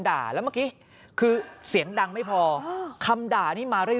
เดี๋ยวคุณเสียงนี้ที่เราได้ยินกันเนี่ย